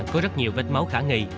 có rất nhiều vết máu khả nghị